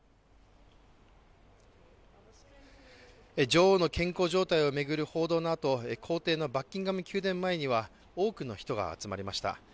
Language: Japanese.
女王の健康状態を巡る報道のあと公邸のバッキンガム宮殿前には多くの人が集まりました。